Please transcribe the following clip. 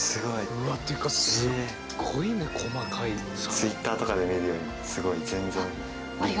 Ｔｗｉｔｔｅｒとかで見るよりもすごい全然立体感が。